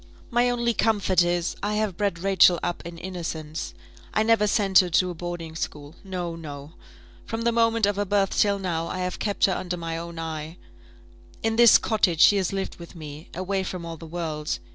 "My only comfort is, I have bred Rachel up in innocence; I never sent her to a boarding school. No, no; from the moment of her birth till now, I have kept her under my own eye. In this cottage she has lived with me, away from all the world.